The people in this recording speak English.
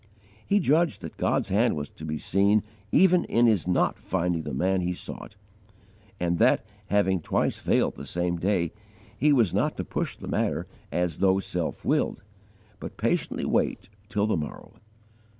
He judged that God's hand was to be seen even in his not finding the man he sought, and that, having twice failed the same day, he was not to push the matter as though self willed, but patiently wait till the morrow.